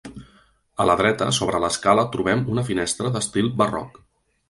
A la dreta, sobre l'escala trobem una finestra d'estil barroc.